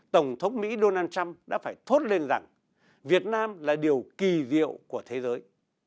tổng thống mỹ donald trump đã phải thốt lên rằng việt nam là điều kỳ diệu của thế giới